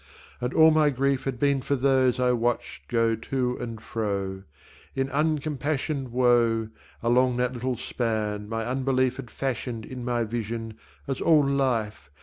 And all my grief Had been for those I watched go to and fro. In uncompassioned woe Along that little span my unbelief Had fashioned in my vision as all life.